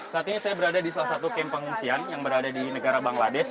saat ini saya berada di salah satu kamp pengungsian yang berada di negara bangladesh